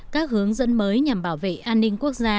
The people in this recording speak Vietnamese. các hướng dẫn mới nhằm bảo vệ an ninh quốc gia